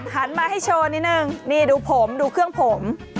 หันมาให้โชว์นิดนึงนี่ดูผมดูเครื่องผม